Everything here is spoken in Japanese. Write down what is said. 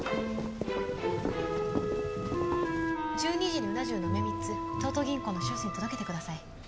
１２時にうな重の梅３つ東都銀行の秘書室に届けてください。